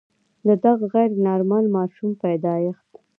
د دغه غیر نارمل ماشوم پیدایښت.